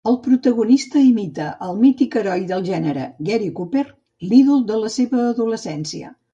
El protagonista imita el mític heroi del gènere, Gary Cooper, l'ídol de la seva adolescència.